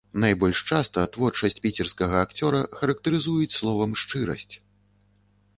Найбольш часта творчасць піцерскага акцёра характарызуюць словам шчырасць.